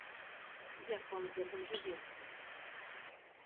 Як вам з гэтым жывецца?